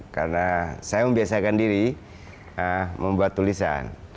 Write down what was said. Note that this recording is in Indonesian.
karena saya membiasakan diri membuat tulisan